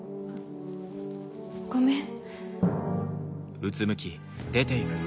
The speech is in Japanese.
ごめん。